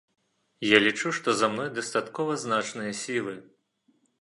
Я лічу, што за мной дастаткова значныя сілы.